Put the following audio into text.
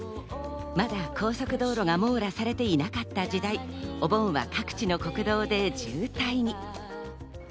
まだ高速道路が網羅されていなかった時代、お盆は各地の国道で渋滞に。